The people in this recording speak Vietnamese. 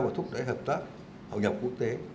và thúc đẩy hợp tác hậu nhập quốc tế